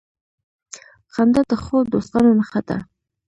• خندا د ښو دوستانو نښه ده.